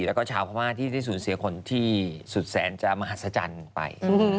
แล้วก็ชาวพม่าที่ได้สูญเสียคนที่สุดแสนจะมหัศจรรย์ไป